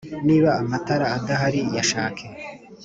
niba amatara adahari yashake